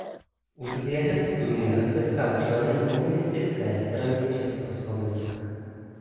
Už během studia se stal členem Komunistické strany Československa.